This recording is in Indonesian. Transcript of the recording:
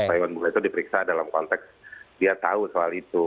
pak iwan bule itu diperiksa dalam konteks dia tahu soal itu